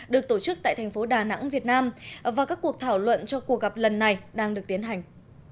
được tổ chức tại thành phố đà nẵng việt nam và các cuộc thảo luận cho cuộc gặp lần này đang được tiến hành